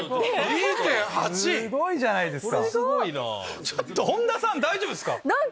２．８⁉すごいじゃないですか！